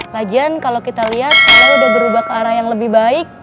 lagian kalau kita lihat saya udah berubah ke arah yang lebih baik